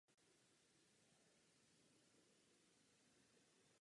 Celkem odehrál šest představení.